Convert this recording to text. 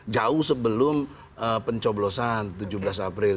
jauh sebelum pencoblosan tujuh belas april